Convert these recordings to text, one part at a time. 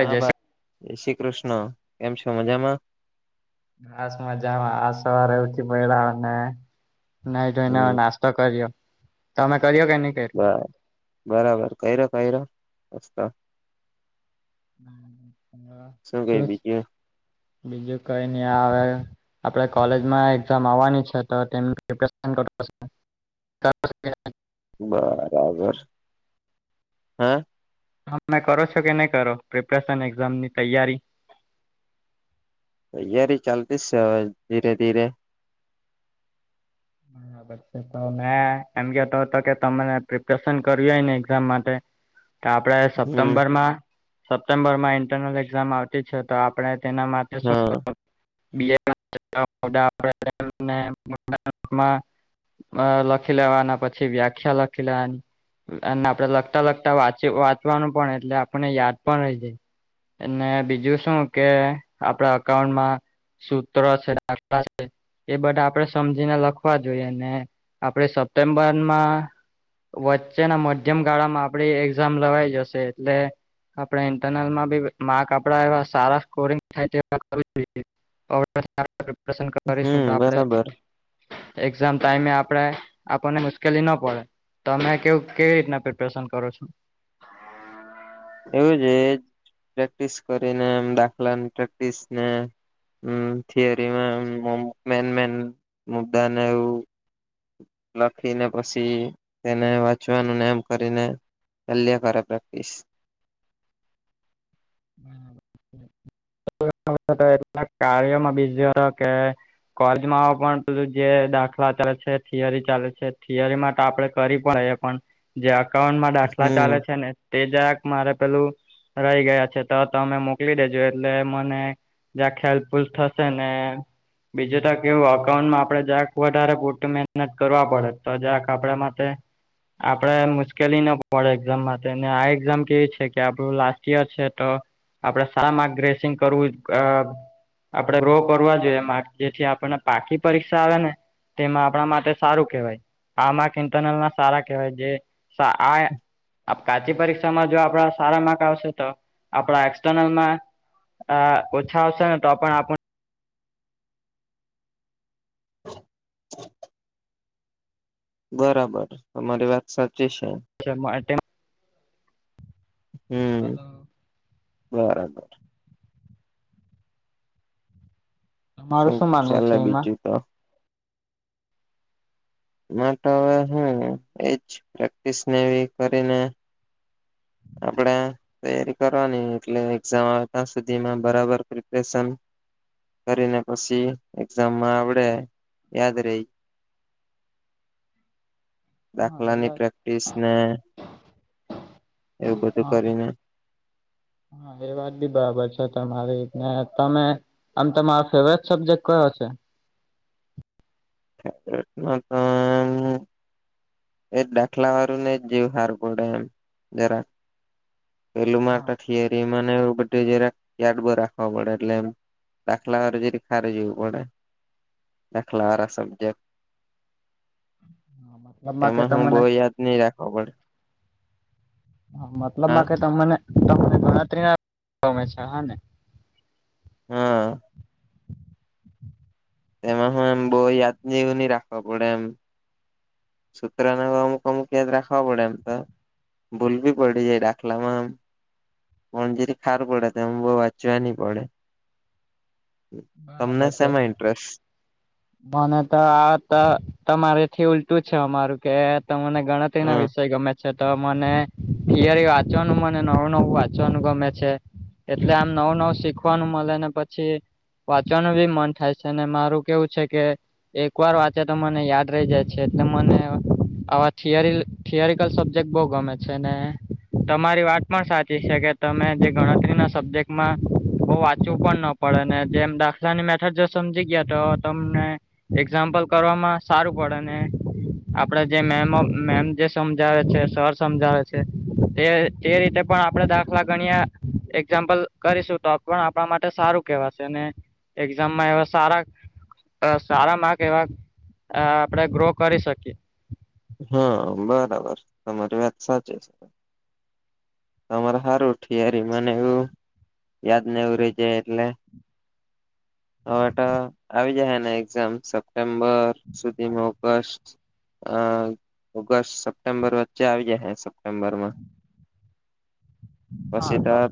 હા ભાઈ જય શ્રી કૃષ્ણ કેમ છો મજામાં ઘાસમાં જવા આ સવારેી મહિલાઓને ન જોઈને હમ નાસ્ તો કર્યો તમે કર્યો કે ની? બ બરાબર કઈ ર કઈ રસ્ શું બીજું બીજું કઈ નહી આવે આપડે કોલેજમાં એક્ઝામ આવવાની છે તો તેમનું પ્રપરેશન બરાબર હા હ તમે કરો છો કે નહીં કરો પ્રિપરેશન એક્ઝામ ની તૈયારી તૈયારી ચાલતીસ ધીરે ધીરે [unintelligible] તો મેં એમ કેતો હતો કે તને પ્રિપરેશન કર્યું હોય ને એક્ઝામ માટે તો આપડણે હમ સપ્ટેમ્બરમાં સપ્ટેમ્બર માં ઇન્ટરનલ એઝામ આવત તી છે તો આપણે તેના માટે શું હા માં [unintelligible] અ લખી લેવાના પછી વ્યાખ્યા લખી લેવાની અને આપડે લગતા લગતા વાંચ વાંચવાનું પણ એટલે આપને યાદ પણ રહી જાય અને બીજું શું કે આપણા અઉન્ટમાં સૂત્ર છે દાખલા છે એ બધા આપડે સમજ ને લખવા જોઈએ અનેને આપડે સપ્ટેમ્બરમાં વચ્ચેના મધ્યમ ગાળા માં આપડી એક્ઝામ લવાઈ જશે એટલે આપણે ઇન્ટરનલમાં બી મા કપડા એવા સારા સ્કોરિંગ થાય તે જોઈએ [unintelligible] સ પ્રોપ્રેશન કરતાં રેશું તો હમ આપણે બરાબર એક્ઝામ ટાઈમે આપડે આપણને મુશ્કેલી ના પડે તમે કે કેવી રીતના પ્રિપરેશન કરો છો એવું જ એ પ્રેક્ટિસ કરીને એમ દાખલા પ્રેક્ટિસ ને હ થિરીમાં મે મે મુ્દાને એવું લખીને પછી તેને વાંચવાનું નામ કરીને એલ્ કરે પ્રેક્ટિસ એ કાર્યમાંજ કે કોલેજમાં પણું જે દાખલા ચાલે છે થિયરી ચાલે છે થિયરી માટે આપડે કરી પણ પણ જે અકાઉન્ટમાં દાખલા હમ ચાલે છે ને તે જાયક મારે પેલું રહી ગયા છે તો તમે મોકલી દેજો એટલે મને જ્યાં ખેલ્ફૂલ થશે ને બીજું ત કે એવું અકાઉન્ટમાં આપડે જ્યાંક વધારે પું મહેનત કરવા પડે તો જક આપડ માટે આપડે મુશ્કેલી ના પડે એક્ઝામ માટે ને આ એક્ઝામ કેવી છે કે આપડું લાસ્ટ યર છે તો આપડે સારા માર્ક ગ્રેસિંગ કરવું અ આપડે રો કરવા જોઈએ જેથી આપને પાકી પરીક્ષા આવે ને તેમાં આપણા માટે સારું કહેવાય આ માંરક ઇન્ટરનલ ના સારા કહેવાય જે, [unintelligible] કાચી પરીક્ષામાં જો આપડા સારા માર્ક આવશે તો? આપણા એક્સ્ટનલના ઓછા આવશે ને તો પણ આપ [inaudible] બરાબર તમારી વાત સાચી છે હમ [unintelligible] બરાબર તમારું શું માનવું છે ચાલે એમાં? બીજું તો માટે હવે હું એજ પ્રેક્ટિસનેવી કરીને, આપણે તૈયારી કરવાની એટલે એક્ઝામ આવતા સુધીમાં બરાબર પ્રિપરેશન કરીને પછી એક્ઝામમાં આવડે યાદ રેઈ. હા એ દાખલાની વાત પ્રેક્ટિસ ને એવું બધું હા કરીને હા એ વાત બી બરાબર છે. તમારીને તમે આમ તમારો ફેવરેટ સબ્જેક્ટ કયો છે તો [inaudible] [inaudible] [inaudible] એ ડાખલા વારું ને એ જીવ હારકોડે એમ જરા પેલું હા મા થિયરી ને બધું જરાક યાદ બવ રાખવા પડે એટલે એમ, દાખલા વાળું જે ખરે જોવું પડે દાખલા વાળા સબ્જેક્ટ [inaudible] [inaudible] હમ એમાં હું બહુ યાદ નહી રાખવો પડે. હા મતલબમાં કે તમને તમને ગણતરી ના ગમે છે હ ને હા એમાં હું એમ બહુ યાદ જેવું નહી રાખવા પડે એમ. સૂત્રને અમુક અમુક યાદ રાખવા પડે એમ તો ભૂલવી પડી જાય ડાખલામાંમ. પણજરી ખાર પડે તોમ બહ વાંચવા નની પડે. તમને બરાબર છે. શેમાં ઇન્ટરેસ્ટ મને તો આ તો તમારેથી ઉલટું છે અમારું કે ત મને ગણતરી હ ના વિષય ગમે છે, તો મને થિયરી વાંચવાનું મને નવું નવું વાંચવાનું ગમે છે. એટલે આમ નવું નવું શીખવાનું મળે ને પછી વાંચવાનું બી મન થાય છે, ને મારું કેવું છે કે એક વાર વાંચે તો મને યાદ રહી જાય છે. એટલે મને આવા થિયરી થિયોરિકલ સબ્જેક્ટ બહુ ગમે છે ને તમારી વાત પણ સાચી છે કે તમે જે ગણતરી ના સબ્જેક્ટ. માં બ વાંચવું પણ ન પડે ને જેમ દાખલાની મેથડ જો સમજી ગયા તો તમને એક્ઝામ્પલ કરવામાં સારું પડે ને આપડે જે મેમ મેમ જે સમજાવે છે, સર સમજાવે છે તે જે રીતે પણ આપડણે દાખલા ગણ્યા એક્ઝામ્પલ કરીશું, તો પણ આપણા માટે સારું કેવાય સેને એક્ઝામમાં એવા સારા અ સારામાંર્ક એવા આપણેે ગ્રો કરી શકીએ. હા, બરાબર તમારી વાત સાચી છે. તમારે સારું ઠીયારી મને એવું યાદ નો રય જાય એટલે હવેટ આવી જાય હને એક્ઝામ સપ્ટેમ્બર સુધીમાં ઓગસ્ટ અ ઓગસ્ટ સપ્ટેમ્બર વચ્ચે આવી જાહે સપ્ટેમ્બર માં. હા પછી તો સાબ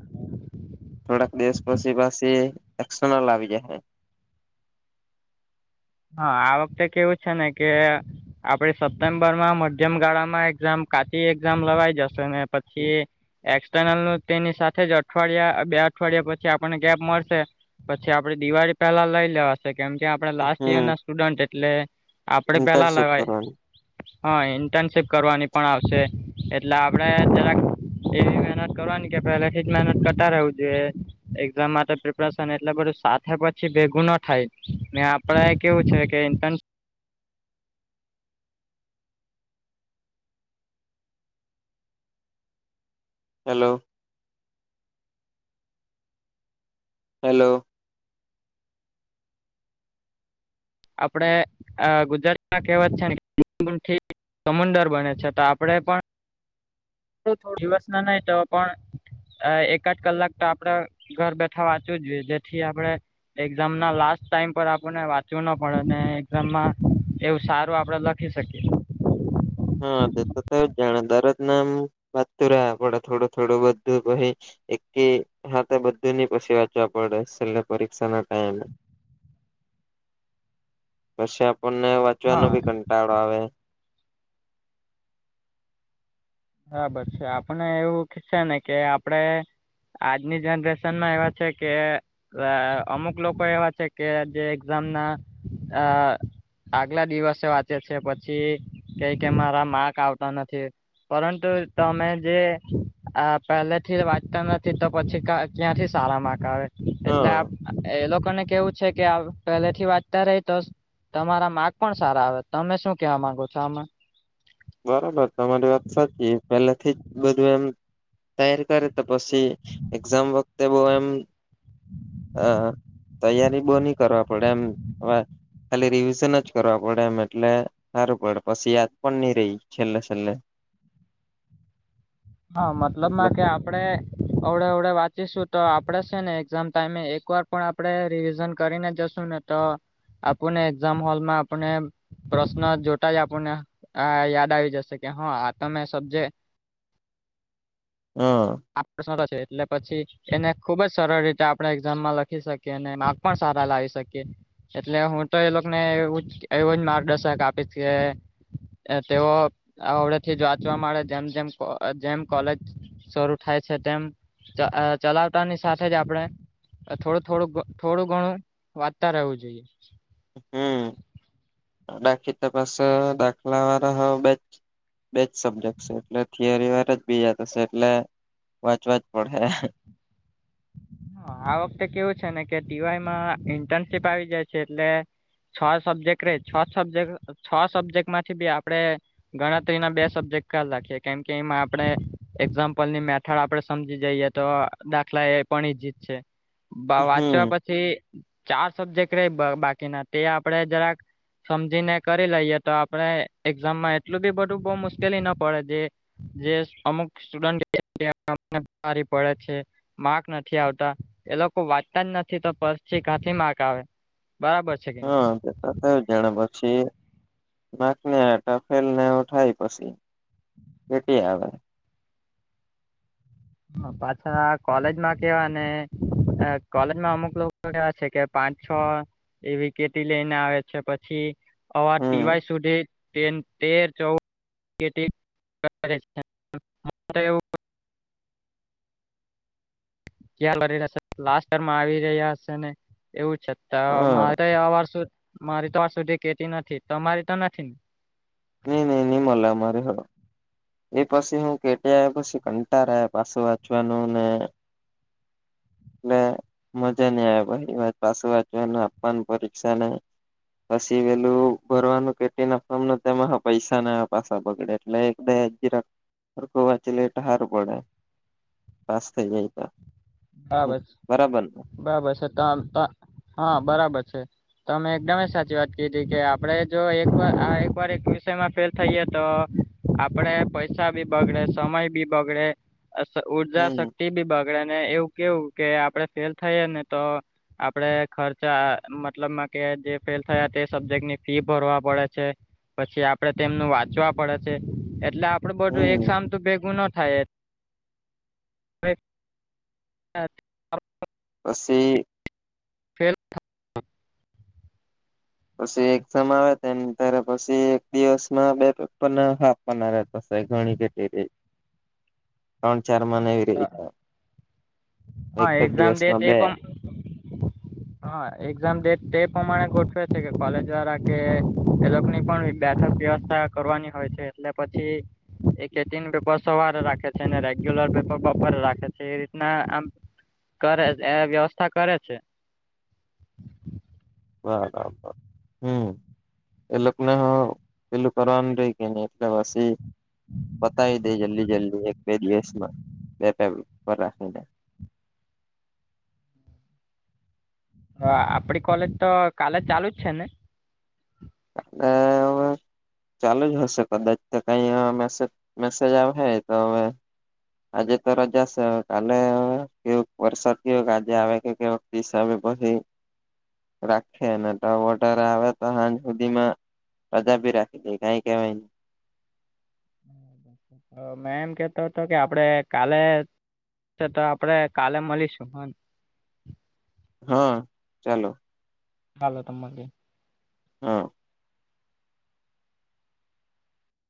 થોડાક દિવસ પછી પાછી અકસ્ટરનલ આવી જાહે. હા, આ વખતે કેવું છે ને કે આપડે સપ્ટેમ્બરમાં મધ્યમ ગાળા માં એક્ઝામ કાચી એક્ઝામ લવાઈ જશો ને, પછી એકસ નલ નું તેની સાથે જ અઠવાડિયા બે અઠવાડિયા પછી આપણને ગેપ મળશે, પછી આપડે દિવાળ પેહલા લઈ લેવાશે કેમ કે આપડે લાસ્ટ ઈયર હમ ના સ્ટુડન્ટ એટલે આપડે પેલા ઇન્ટર્નશીપ લેવાય. કરવાની હ, ઇન્ટર્નશીપ કરવાની પણ આવશે એટલે આપડે જરાક, એવી મહેનત કરવાની કે પહેલા થી જ મહેનત કરતા રહેવું જોઈએ, એક્ઝામ માટે પ્રિપરેશન એટલે બધું સાથે પછી ભેગું ન થાય મે એ કેવું છે કે ઇન્ટ હેલો હેલો આપડે ગુજરાતમાં કવાત છે, ને [inaudible] સમુંદર બને છે, તો આપણે પણો દિવસ ના નહી તો પણ એકાદ કલાક તો આપડે ઘર બેઠા વાંચવું જ જોઈએ, જેથી આપડે એક્ઝામ ના લાસ્ટ ટાઈમ પર આપને વાત ચૂ ન પડે ને એઝામમાં એવું સારું આપડે લખી શકીએ. હા, તે તો જ જાણે દર નામ વાતતું રહ પડે થોડું થોડું બધું પાઈ એક હા તો બધુંની પછી વાંચવા પડે, છેલ્ પરીક્ષા ના ટાઈમ પછી આપણને વાંચવાનો હા ભી કંટાળો આવે. બરાબર છે આપને એવું છે ને કે આપડે, આજની જનરેશન માં એવા છે કે, અમુક લોકો એવા છે, કે જે એક્ઝામ ના આગલા દિવસે વાંચે છે પછી કઈ કે મારા માક આવતા નથી, પરંતુ તમે જે આ પહેલેથી વાંચતા નથી તો પછી, ત્યાંથી સારા માક આવે એટલે હા આપ. એ લોકો ને કેવું છે કે પહેલે થી વાંચતા રહી તો, તમારા માગ પણ સારા આવે, તમે શું કેવા માંગો છો આમાં? બરોબર તમારી વાત સાચી પહેલા થી જ બધું એમ તેયારી કરે, તો પછી એક્ઝામ વખતે બહ એમ હા, તૈયારી બહ નની કરવા પડે એમ હ ખાલી રિવિઝન જ કરવા પડે એમ એટલે સારું પડે પછી યાદ પણ નહી રહી, છેલ્લે છેલ્લે હા, એટલે મતલબમાં કે આપડે અવડે અવડે વાંચીશું તો આપડે છે ને એક્ઝામ ટાઈમે એક વાર પણ આપડે રિવિઝન કરીને જશું ને તો આપને એક્ઝામ હોલમાં આપને પ્રશ્ન જોતા જ આપણને યાદ આવી જશે કે હા આ તમે સબ્જે હમ આપ [inaudible] છે એટલે પછી એને ખુબ જ સરળ રીતે આપણે એક્ઝામમાં લખી શકીએ અને માર્ક પણ સારા લાવી શકીએ એટલે હું તો એ લોકોને એવું એવું જ માર્ગદર્શક આપીશ કે અ તેઓ આવડે થી જ વાંચવા મળે જેમ જેમ જેમ કોલેજ શરૂ થાય છે તેમ ચલાવતાની સાથે જ આપડણે થોડું થોડું થોડું ઘણું વાંચતા રહેવું જોઈએ નાખી તપાસ દાખલા વાળા હ બેચ બેજ સબ્જેક્ટ છે એટલે થિયરી વાર જ બીજા થશે એટલે વાંચવા જ પડે હ આ વખતે કેવું છે ને કે ટીવાયમાં ઇન્ટર્નશીપ આવી જાય છે એટલે છ સબ્જેક્ટ રે છ સબ્જેક્ટ છ સબ્જેક્ટ માંથી બી આપડે ગણતરી ના બે સબ્જેક્ટ ખ્યાલ રાખીએ કેમ કેમાં આપડણે એક્ઝામ્પલની મે ઠર આપડે સમજી જઈએ તો દાખલા એ પણ ઈ જત છે વાંચવા હમ પછી ચાર સબ્જેક્ટ ર બાકીના તે આપડે જરાક સમજીને કરી લઈએ તો આપડણે એક્ઝામમાં એટલું બી બધું બઉ મુશ્કેલી ના પડે જે જે અમુક સ્ટુડન્ટ પડે છે માક નથી [inaudible] થી આવતા એ લોકો વાંચતા જ નથી તો પછી ક્યાથી માર્ક આવે બરાબર. છે કે નઈ? હા. જાણે પછી માર્કને ફેલને એવુ થાય પછી. કેટી આવે. હ પાછા કોલેજ માં કેવા ને કોલેજમાં અમુક લોકો એવા છે કે પાંચ છ એવી કેટી લઈને આવે છે પછી અવા હમ ટિવાય સુધી તેર ચૌદ [inaudible] ક્યા લનેશે લાસ્ટ સેમમાં આવી રહ્યા હશે ને એવું છે. [unintelligible] તો હા મારે આવા સુ મારી તો આજ સુધી કેટી નથી તોમારી તો નથીને? ની ની ની મલે અમારે હ. એ પછી હું કેટી પછી કંટારા આવે પાસે વાંચવાનું ને. એટલે મજા નઈ આવે ભાઈ પાછું વાંચવા આપવાની પરીક્ષા ને. પછી વેલું ભરવાનું કેટી નાખમ તેમાં પૈસા ના પાસા બગડે એટલે. [unintelligible] હરખૂ વાંચી લે તો સારુ પડે પાાસ થઈ જાય તો. બરાબર છે બરાબર ને બરાબર છે ત ત હા બરાબર છે. તમે એકદમે સાચી વાત કીધી કે આપડે જો એક આ એક વાર એક વિષયમાં ફેલ થઈએ તો આપડે પૈસા બી, બગડે સમય બી બગડે. ઊર્જા હમ શક્તિ બી બગડે ને એવું કેવું કે આપડે ફેલ થઈ ને તો આપડે ખર્ચા મતલબમાં કે જે ફેલ થયા તે સબ્જેક્ટ ની ફી ભરવા પડે છે. પછી આપડે તેમનું વાંચવા પડે છે એટલે આપડે બધું એક હમ સામટુ ભેગું ન થાય. [unintelligible] પસી ફેલ [unintelligible] પછી એક્ઝામ આવે ત્યારે પછી એક દિવસમાં બે પેપર ને એવા હો [unintelligible] [inaudible] ત્રણ ચાર માં હા રીતે હા એક જ એક્ઝામ દે દિવસમાં એ બે પણ હા, એક્ઝામે તે પ્રમાણે ગોઠવે છે, કે કોલેજ વાળા કે એ લોકોની પણ બેઠક વ્યવસ્થા કરવાની હોય છે એટલે પછી એક ટિન વપર સવારે રાખે છે. લ પેપરપર રાખે છે એ રીતના આમ કરે એ વ્યવસ્થા કરે છે. બરાબર હમ્મ એ લોકોક ના હ પે કર રે કે એટલાવાસી બતાવી દે જલ્દી જલ્દી એક બે દિવસમાં બે પે ઉપ રાખી દે હ આપડી કોલેજ તો કાલે જ ચાલુ જ છે ને હ હવે [unintelligible] ચાલુ જ હશે કદાચ કઈ મેસેજ મેસેજ આવે હ તો હવે આજે તો રજા છે કાલે કેવ વરસાદ કેવો આજે આવે કે કે પીસ આવે પછી. [inaudible] રાખી ને ટવોટર આવે તો સાાંજ સુધીમાં. બધા ભી રાખી દે કઈ કવાય ન હ મે એમ કેતો હતો કે આપડે કાલે તો આપડે કાલે મળીશું હ હા ચાલો. હાલ તમલી [unintelligible] હા.